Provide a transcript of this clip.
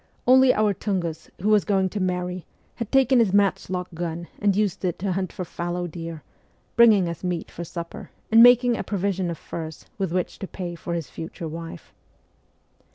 Only our Tungus, who was going to marry, had taken his matchlock gun and used it to hunt for fallow deer, bringing us meat for supper, and making a provision of furs with which to pay for his future wife.